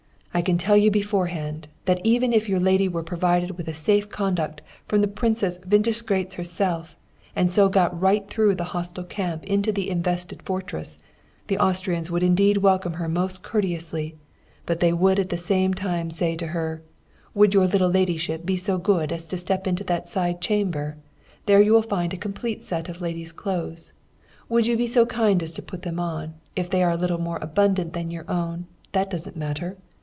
I can tell you beforehand, that even if your lady were provided with a safe conduct from the Princess Windischgrätz herself, and so got right through the hostile camp into the invested fortress, the Austrians would indeed welcome her most courteously; but they would at the same time say to her: "Would your little ladyship be so good as to step into that side chamber; there you will find a complete set of lady's clothes, would you be so kind as to put them on if they are a little more abundant than your own, that doesn't matter?